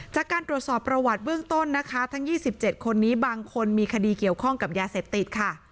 จากการตรวจสอบประวัติเบื้องต้นนะคะทั้ง๒๗คนนี้บางคนมีคดีเกี่ยวข้องกับยาเสพติดค่ะ